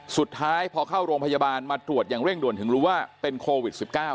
สุดท้ายพอเข้าโรงพยาบาลมาตรวจอย่างเร่งด่วนถึงรู้ว่าเป็นโควิด๑๙